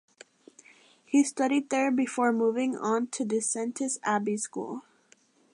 He studied there before moving on to Disentis Abbey school.